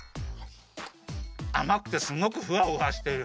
あまくてすごくふわふわしてる。